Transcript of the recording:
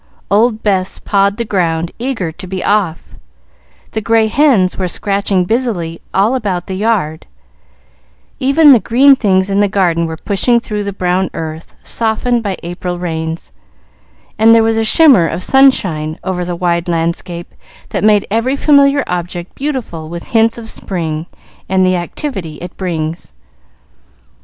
Old Bess pawed the ground, eager to be off; the gray hens were scratching busily all about the yard; even the green things in the garden were pushing through the brown earth, softened by April rains, and there was a shimmer of sunshine over the wide landscape that made every familiar object beautiful with hints of spring, and the activity it brings.